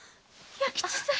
弥吉さん。